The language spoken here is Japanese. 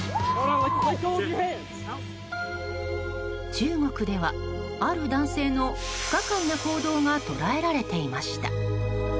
中国ではある男性の不可解な行動が捉えられていました。